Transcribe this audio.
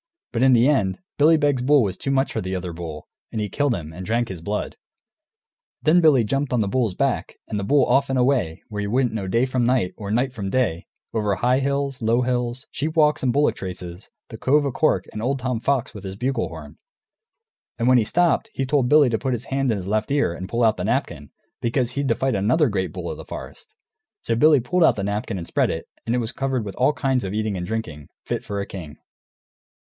But in the end, Billy Beg's bull was too much for the other bull, and he killed him, and drank his blood. Then Billy jumped on the bull's back, and the bull off and away, where you wouldn't know day from night or night from day, over high hills, low hills, sheep walks and bullock traces, the Cove o' Cork, and old Tom Fox with his bugle horn. And when he stopped he told Billy to put his hand in his left ear and pull out the napkin, because he'd to fight another great bull of the forest. So Billy pulled out the napkin and spread it, and it was covered with all kinds of eating and drinking, fit for a king.